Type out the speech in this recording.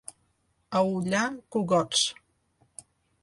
A Ullà, cugots.